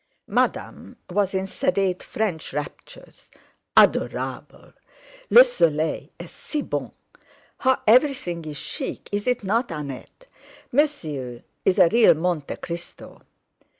Madame was in sedate French raptures. "Adorable! Le soleil est si bon! How everything is chic, is it not, Annette? Monsieur is a real Monte Cristo."